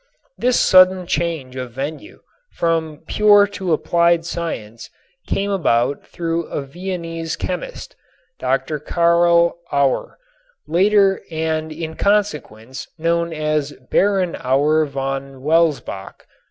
This sudden change of venue from pure to applied science came about through a Viennese chemist, Dr. Carl Auer, later and in consequence known as Baron Auer von Welsbach.